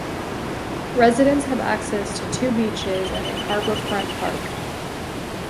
Residents have access to two beaches and a harbor front park.